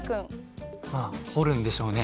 まあ彫るんでしょうね。